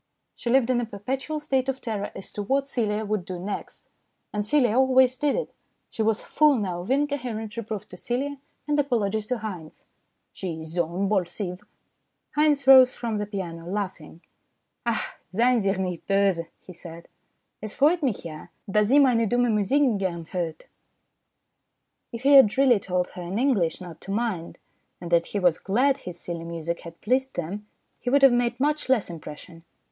She lived in a perpetual state of terror as to what Celia would do next, and Celia always did it. She was full now of incoherent reproof to Celia and apologies to Haynes. " She is zo imbolsive." Haynes rose from the piano laughing. " Ach, seien Sie ihr nicht bose" he said. " Es freut mich ja y dass sie meine dumme Musik gerne hort? If he had really told her in English not to mind, and that he was glad his silly music had pleased them, he would have made much less impression.